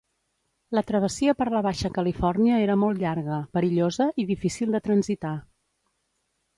La travessia per la Baixa Califòrnia era molt llarga, perillosa i difícil de transitar.